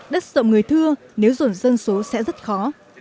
đất rộng người thưa nếu dồn dân số sẽ rất khó